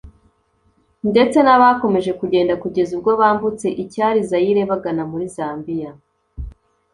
ndetse n’abakomeje kugenda kugeza ubwo bambutse icyari Zaire bagana muri Zambia